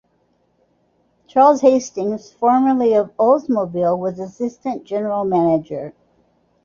Charles Hastings, formerly of Oldsmobile, was assistant general manager.